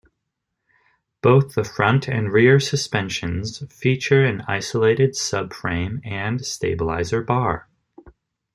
Both the front and rear suspensions feature an isolated subframe and stabilizer bar.